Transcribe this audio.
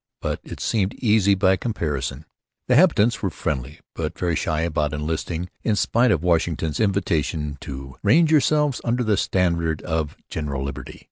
But it seemed easy by comparison. The habitants were friendly, but very shy about enlisting, in spite of Washington's invitation to 'range yourselves under the standard of general liberty.'